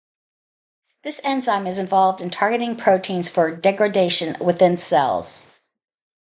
This enzyme is involved in targeting proteins for degradation within cells.